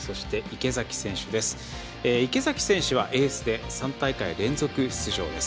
池崎選手はエースで３大会連続出場です。